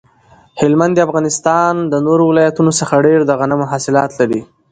هلمند د افغانستان د نورو ولایتونو څخه ډیر د غنمو حاصلات لري